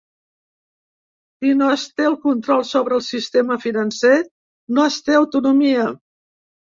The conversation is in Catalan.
Si no es té el control sobre el sistema financer no es té autonomia.